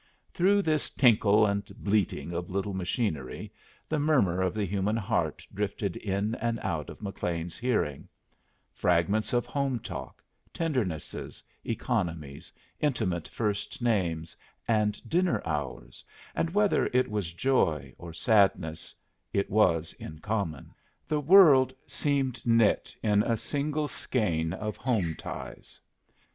Through this tinkle and bleating of little machinery the murmur of the human heart drifted in and out of McLean's hearing; fragments of home talk, tendernesses, economies, intimate first names, and dinner hours, and whether it was joy or sadness, it was in common; the world seemed knit in a single skein of home ties.